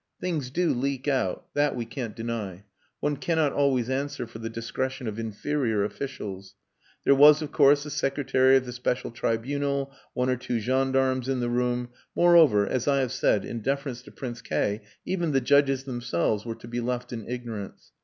Things do leak out that we can't deny. One cannot always answer for the discretion of inferior officials. There was, of course, the secretary of the special tribunal one or two gendarmes in the room. Moreover, as I have said, in deference to Prince K even the judges themselves were to be left in ignorance.